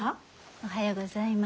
おはようございます。